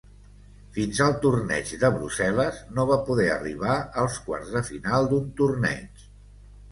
Fins al torneig de Brussel·les no va poder arribar als quarts de final d'un torneig.